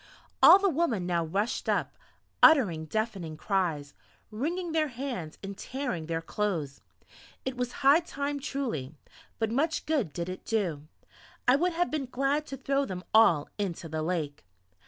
All the women now rushed up, uttering deafening cries, wringing their hands and tearing their clothing. It was high time truly! but much good did it do! I would have been glad to throw them all into the lake....